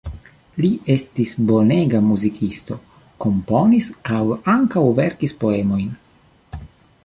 Li estis bonega muzikisto, komponis kaj ankaŭ verkis poemojn.